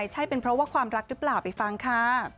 ใช่เป็นเพราะว่าความรักหรือเปล่าไปฟังค่ะ